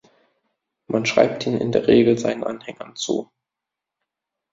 Man schreibt ihn in der Regel seinen Anhängern zu.